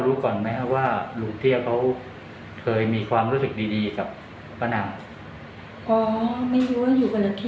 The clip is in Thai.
ลูกก็จะจบแล้วไงถ้าหาเงินช่วย